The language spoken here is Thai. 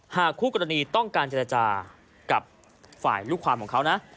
คู่กรณีต้องการเจรจากับฝ่ายลูกความของเขานะ